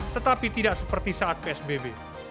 tetapi tidak seperti saat psbb